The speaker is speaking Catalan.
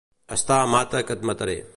Estar a mata que et mataré.